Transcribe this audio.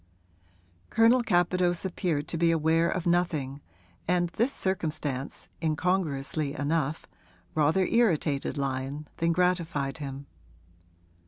Colonel Capadose appeared to be aware of nothing, and this circumstance, incongruously enough, rather irritated Lyon than gratified him.